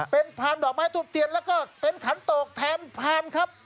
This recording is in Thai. เป็นพานดอกไม้ทูบเทียนแล้วก็เป็นขันโตกแทนพานครับ